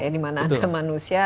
di mana ada manusia